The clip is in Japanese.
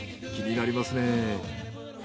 気になりますね。